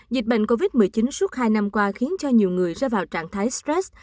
dịch bệnh covid một mươi chín suốt hai năm qua khiến cho nhiều người ra vào trạng thái stress